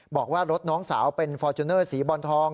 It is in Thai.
บอกว่ารถน้องสาวเป็นฟอร์จูเนอร์สีบอลทอง